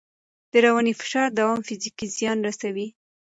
د رواني فشار دوام فزیکي زیان رسوي.